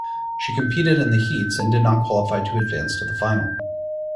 She competed in the heats and did not qualify to advance to the final.